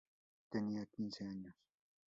Tenía quince años.